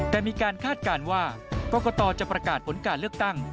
แต่มีการคาดการณ์ว่ากรกตจะประกาศผลการเลือกตั้ง